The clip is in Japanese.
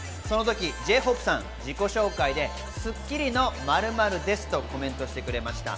Ｊ−ＨＯＰＥさん、自己紹介で『スッキリ』の○○ですとコメントしました。